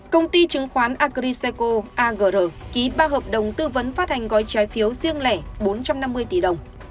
công ty chứng khoán acriseco agr ký ba hợp đồng tư vấn phát hành gói trái phiếu riêng lẻ bốn trăm năm mươi tỷ đồng